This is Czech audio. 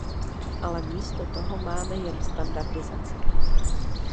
Ale místo toho máme jen standardizaci.